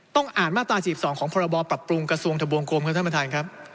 ต้องอ่านมาตรา๔๒ของพรบปรับปรุงกระทรวงทะบวงกรมครับท่านประธานครับ